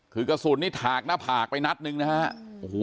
คือกระสุนถากหน้าผากไปนัดนึงนะฮะ